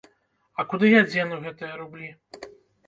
А куды я дзену гэтыя рублі?